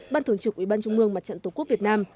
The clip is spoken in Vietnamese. ban thường trực ủy ban trung mương mặt trận tổ quốc việt nam